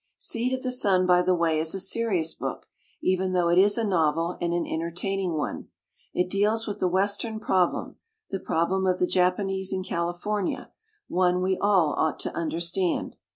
"Seed of the Sun", by the way, is a serious book, even though it is a novel and an enter taining one. It deals with the Western Prob lem, the problem of the Japanese in California, one we aU ought to understand.